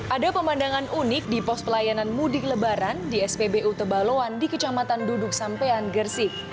ada pemandangan unik di pos pelayanan mudik lebaran di spbu tebaloan di kecamatan duduk sampean gersik